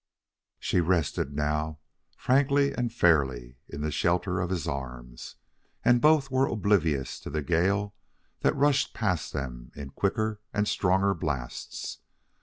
She rested now, frankly and fairly, in the shelter of his arms, and both were oblivious to the gale that rushed past them in quicker and stronger blasts.